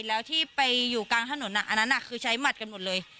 แล้วที่ไปอยู่กลางถนนอันนั้นคือใช้หมัดกันหมดเลย